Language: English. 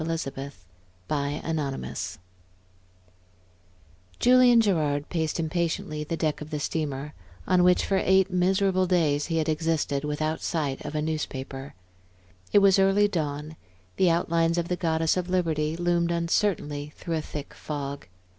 Chapter XXXVII Julian Gerard paced impatiently the deck of the steamer on which, for eight miserable days, he had existed without sight of a newspaper. It was early dawn; the outlines of the Goddess of Liberty loomed uncertainly through a thick fog.